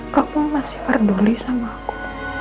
kamu masih peduli sama aku